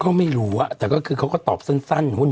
ก็ไม่รู้แต่ก็คือเขาก็ตอบสั้นหุ้น